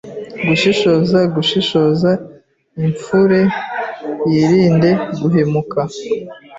Gushishoze Gushishoze Imfure yirinde guhubuke